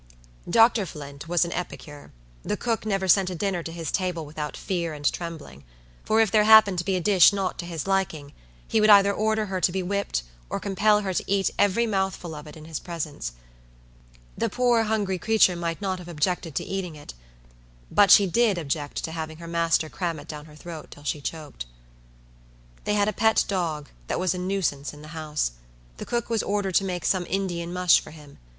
Dr. Flint was an epicure. The cook never sent a dinner to his table without fear and trembling; for if there happened to be a dish not to his liking, he would either order her to be whipped, or compel her to eat every mouthful of it in his presence. The poor, hungry creature might not have objected to eating it; but she did object to having her master cram it down her throat till she choked. They had a pet dog, that was a nuisance in the house. The cook was ordered to make some Indian mush for him.